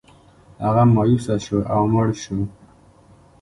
هغه مایوسه شو او مړ شو.